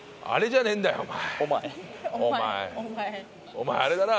お前あれだな。